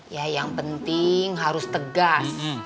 ya yang penting harus tegas